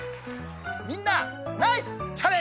みんなナイスチャレンジ！